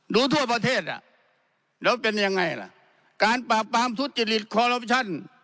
ดูทั่วประเทศแล้วเป็นยังไงล่ะการปรากปรามทุศจิตฤทธิ์